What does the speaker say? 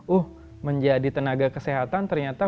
uh menjadi tenaga kesehatan ternyata